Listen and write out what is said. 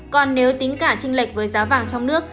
còn nếu tính cả trinh lệch với giá vàng trong nước